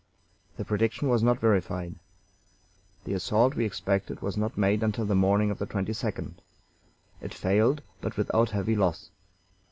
The prediction was not verified. The assault we expected was not made until the morning of the 22d. It failed, but without heavy loss.